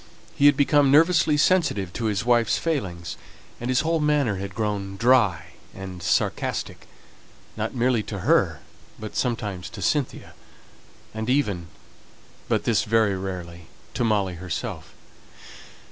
He had become nervously sensitive to his wife's failings, and his whole manner had grown dry and sarcastic, not merely to her, but sometimes to Cynthia, and even but this very rarely, to Molly herself.